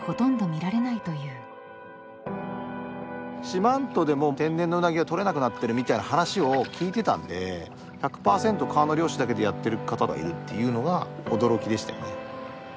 四万十でも天然のウナギが捕れなくなってるみたいな話を聞いてたんで１００％川の漁師だけでやってる方がいるっていうのが驚きでしたよね。